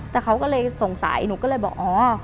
แต่เขาก็เลยสงสัยหนูก็เลยบอกอ๋อ